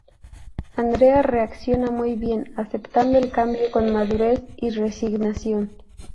Andrea reacciona muy bien, aceptando el cambio con madurez y resignación.